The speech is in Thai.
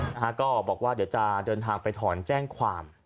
นะฮะก็บอกว่าเดี๋ยวจะเดินทางไปถอนแจ้งความ